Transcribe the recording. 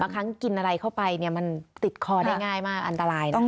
ครั้งกินอะไรเข้าไปมันติดคอได้ง่ายมากอันตรายนะ